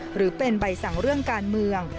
หรือเป็นใบสั่งเรื่องการเมือง